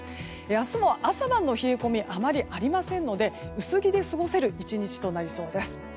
明日も朝晩の冷え込みはあまりありませんので薄着で過ごせる１日となりそうです。